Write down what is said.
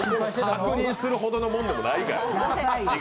確認するほどのもんでもないから。